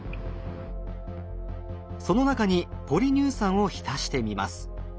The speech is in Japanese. その中にポリ乳酸を浸してみます。